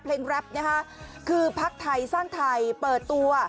เพลงแรปคือพักไทยสร้างไทยเปิดตัว